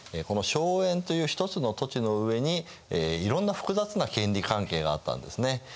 この荘園という一つの土地の上にいろんな複雑な権利関係があったんですね。